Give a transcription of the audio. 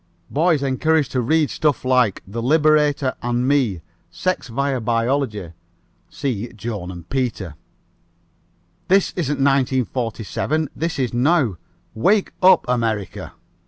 Boys encouraged to read stuff like The Liberator and me. Sex via biology (see Joan and Peter). This isn't 1947. This is now. Wake up America!"